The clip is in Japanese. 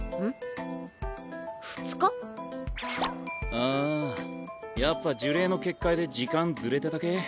ああやっぱ呪霊の結界で時間ずれてた系？